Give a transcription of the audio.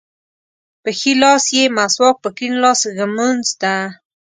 په ښي لاس یې مسواک په کیڼ لاس ږمونځ ده.